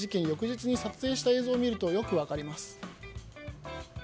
翌日に撮影した映像を見るとよく分かります。